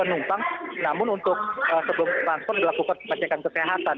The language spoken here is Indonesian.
akan dilakukan transport penumpang namun untuk sebelum transport dilakukan pencegahan kesehatan